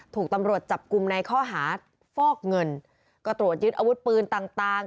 ถูกตำรวจจับกลุ่มในข้อหาฟอกเงินก็ตรวจยึดอาวุธปืนต่างต่าง